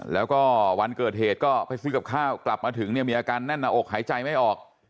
แล้วก็วันเกิดเหตุก็ไปซื้อกับข้าวกลับมาถึงเนี่ยมีอาการแน่นหน้าอกหายใจไม่ออก